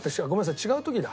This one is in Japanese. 違う時だ。